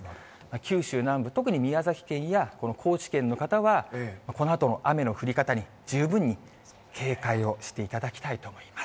九州南部、特に宮崎県や高知県の方は、このあとも雨の降り方に十分に警戒をしていただきたいと思います。